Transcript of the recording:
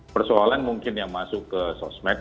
persoalan mungkin yang masuk ke sosmed